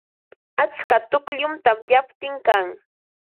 Atska tukllum tamyaptin kan.